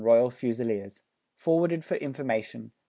ROYAL FUSILIERS. Forwarded for Information.